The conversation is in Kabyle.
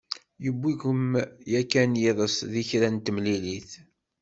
Yewwi-kem yakan yiḍes di kra n temlilit?